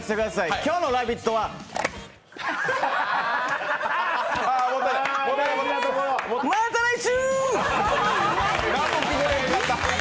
今日の「ラヴィット！」はまた来週！